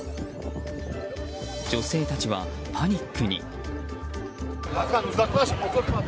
女性たちはパニックに。